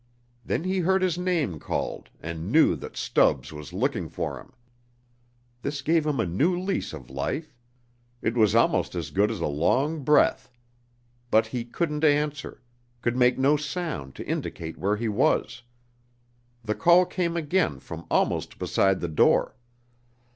Then he heard his name called and knew that Stubbs was looking for him. This gave him a new lease of life. It was almost as good as a long breath. But he couldn't answer could make no sound to indicate where he was. The call came again from almost beside the door.